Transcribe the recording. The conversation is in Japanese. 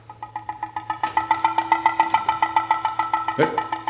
えっ？